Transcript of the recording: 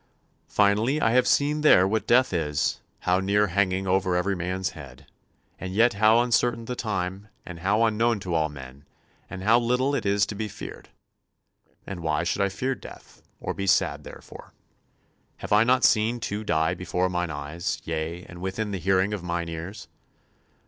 "Finally, I have seen there what death is, how near hanging over every man's head, and yet how uncertain the time, and how unknown to all men, and how little it is to be feared. And why should I fear death, or be sad therefore? Have I not seen two die before mine eyes, yea, and within the hearing of mine ears?